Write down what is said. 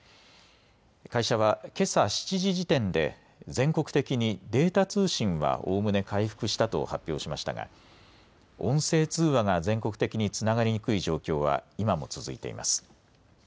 会社はけさ７時時点で全国的にデータ通信はおおむね回復したと発表しましたが音声通話が全国的につながりにくい状況は今も続いています。